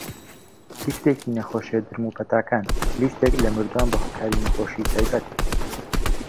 لیستێکی نەخۆشیە درم و پەتاکان - لیستێک لە مردووان بەهۆکاری نەخۆشی تایبەت.